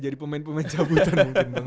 jadi pemain pemain cabutan mungkin bang lodri